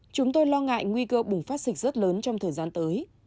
chúng tôi lo ngại nguy cơ bùng phát dịch rất lớn trong thời gian tới